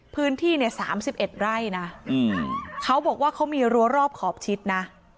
พื้นที่เนี้ยสามสิบเอ็ดไร่นะอืมเขาบอกว่าเขามีรัวรอบขอบชิดนะ